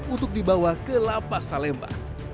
untuk dibawa ke lapa salemba